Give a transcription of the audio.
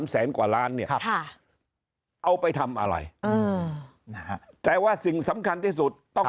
แสนกว่าล้านเนี่ยเอาไปทำอะไรนะฮะแต่ว่าสิ่งสำคัญที่สุดต้อง